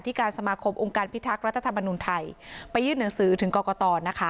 การสมาคมองค์การพิทักษ์รัฐธรรมนุนไทยไปยื่นหนังสือถึงกรกตนะคะ